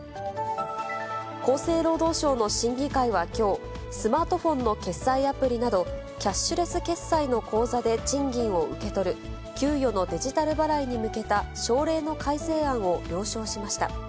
厚生労働省の審議会はきょう、スマートフォンの決済アプリなど、キャッシュレス決済の口座で賃金を受け取る、給与のデジタル払いに向けた省令の改正案を了承しました。